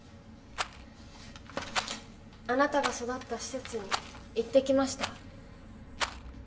あなたが育った施設に行ってきました